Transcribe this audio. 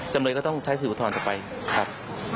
จำเลยก็ต้องใช้สื่ออุทธรณ์ต่อไปครับ